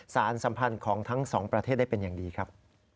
สารสัมพันธ์ของทั้งสองประเทศได้เป็นอย่างดีครับ